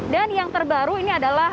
dan yang terbaru ini adalah